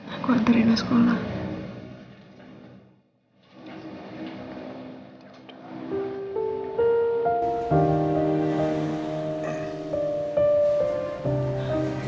aku anterinah sekolah